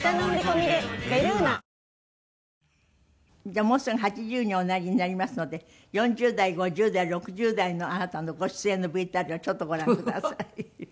じゃあもうすぐ８０におなりになりますので４０代５０代６０代のあなたのご出演のＶＴＲをちょっとご覧ください。